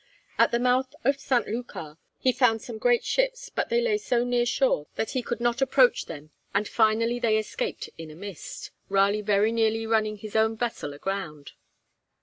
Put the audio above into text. At the mouth of St. Lucar he found some great ships, but they lay so near shore that he could not approach them, and finally they escaped in a mist, Raleigh very nearly running his own vessel aground.